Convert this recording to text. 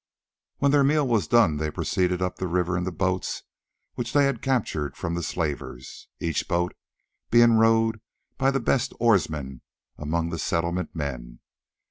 When their meal was done they proceeded up the river in the boats which they had captured from the slavers, each boat being rowed by the best oarsmen among the Settlement men.